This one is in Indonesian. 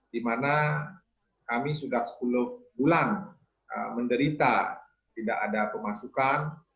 di mana kami sudah sepuluh bulan menderita tidak ada pemasukan